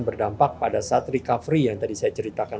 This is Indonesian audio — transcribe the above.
berdampak pada saat recovery yang tadi saya ceritakan